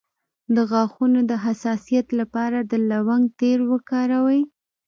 د غاښونو د حساسیت لپاره د لونګ تېل وکاروئ